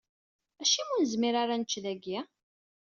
Acimi ur nezmir ara ad nečč dagi?